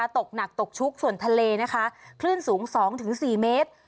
ตกหนักตกชุกส่วนทะเลนะคะคลื่นสูง๒๔เมตร